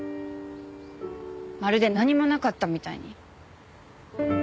まるで何もなかったみたいに。